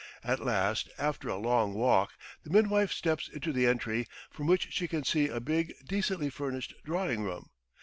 At last after a long walk the midwife steps into the entry; from which she can see a big decently furnished drawing room.